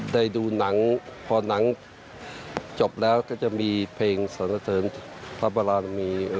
ได้ดูหนังพอหนังจบแล้วก็จะมีเพลงสรรเสริญพระบรมี